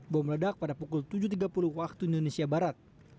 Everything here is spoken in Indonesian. bom ledak pada pukul tujuh tiga puluh waktu indonesia barat